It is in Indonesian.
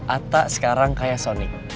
atta sekarang kayak sonic